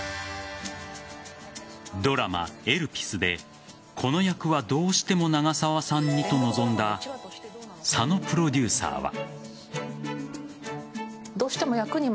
ドラマ「エルピス」でこの役はどうしても長澤さんにと望んだ佐野プロデューサーは。